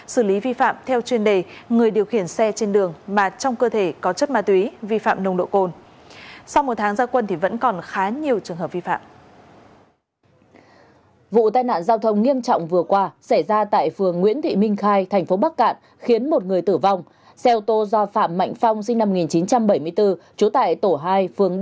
xử lý vi phạm theo chuyên đề người điều khiển xe trên đường mà trong cơ thể có chất ma túy vi phạm nồng độ cồn